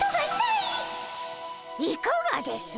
いかがです？